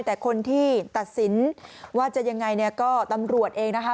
แต่คนที่ตัดสินว่าจะยังไงเนี่ยก็ตำรวจเองนะคะ